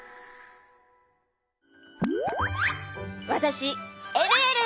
わたしえるえる！